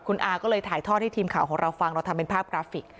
คุณอาก็เลยถ่ายทอดให้ทีมข่าวของเราฟังเราทำเป็นภาพกราฟิก